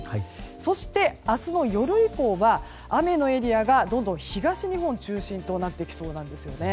そして、明日の夜以降は雨のエリアがどんどん東日本中心となってきそうなんですね。